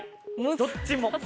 どっちも？